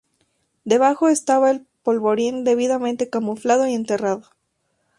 Debajo estaba el polvorín debidamente camuflado y enterrado.